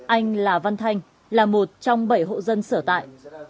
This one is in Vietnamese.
anh là văn thanh là một trong bảy hộ dân sở tại